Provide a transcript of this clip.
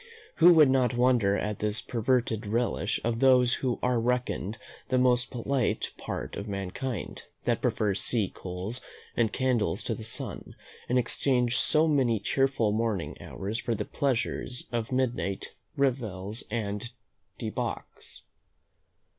Who would not wonder at this perverted relish of those who are reckoned the most polite part of mankind, that prefer sea coals and candles to the sun, and exchange so many cheerful morning hours, for the pleasures of midnight revels and debauches?